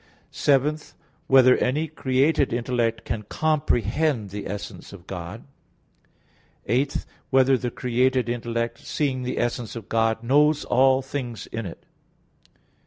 (7) Whether any created intellect can comprehend the essence of God? (8) Whether the created intellect seeing the essence of God, knows all things in it?